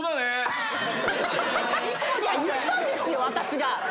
私が。